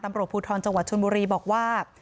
ตำรวจภูทรจังหวัดชนบุรีบอกว่า